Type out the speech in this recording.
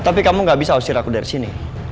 tapi kamu gak bisa usir aku dari sini